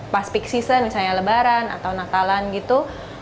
pas peak season misalnya lebaran atau nakalan gitu